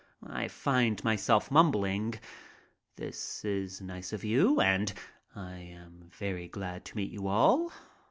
I find myself mumbling, "This is nice of you" and "I am very glad to meet you all."